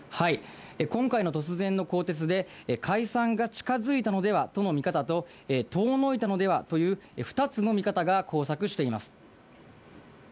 今回の突然の更迭で、解散が近づいたのではとの見方と、遠のいたのではという２つの見方が交錯しています。